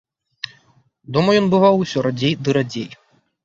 Дома ён бываў усё радзей ды радзей.